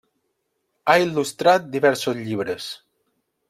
Ha il·lustrat diversos llibres.